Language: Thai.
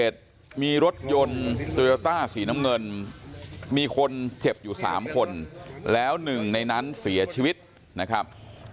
โตเยอร์ต้าสีน้ำเงินมีคนเจ็บอยู่๓คนแล้ว๑ในนั้นเสียชีวิตนะครับ